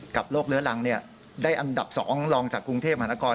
โรคเลื้อรังได้อันดับ๒รองจากกรุงเทพมหานคร